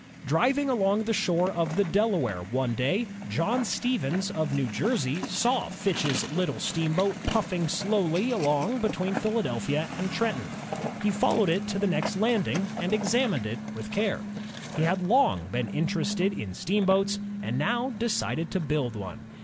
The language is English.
Driving along the shore of the Delaware one day, John 30 INVENTIONS OF STEAM AND ELECTRIC POWER Stevens of New Jersey saw Fitch's little steamboat puflSng slowly along between Philadelphia and Trenton. He followed it to the next landing and examined it with care. He had long been interested in steamboats and now de cided to build one.